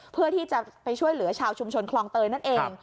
เพื่อที่จะไปช่วยเหลือชาวชุมชนคลองเตยนั่นเอง